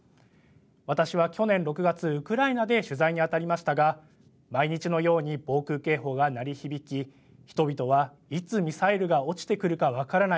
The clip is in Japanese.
私は去年６月ウクライナで取材に当たりましたが毎日のように防空警報が鳴り響き人々は、いつミサイルが落ちてくるか分からない